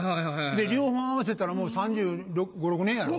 で両方合わせたらもう３５３６年やろ。